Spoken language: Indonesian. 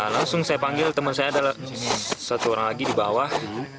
langsung saya panggil teman saya adalah satu orang lagi di bawah